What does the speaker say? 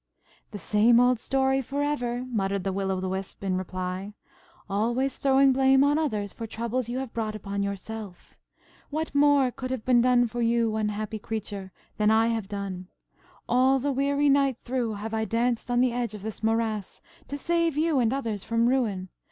"The same old story for ever!" muttered the Will o' the Wisp in reply. "Always throwing blame on others for troubles you have brought upon yourself. What more could have been done for you, unhappy creature, than I have done? All the weary night through have I danced on the edge of this morass, to save you and others from ruin.